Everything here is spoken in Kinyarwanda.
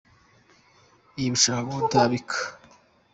Y’ibishaka kuntabika.